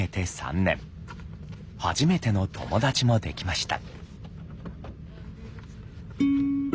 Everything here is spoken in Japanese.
初めての友達もできました。